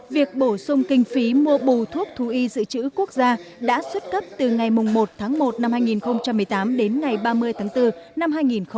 việc bổ sung kinh phí mua bù thuốc thú y dự trữ quốc gia đã xuất cấp từ ngày một tháng một năm hai nghìn một mươi tám đến ngày ba mươi tháng bốn năm hai nghìn một mươi chín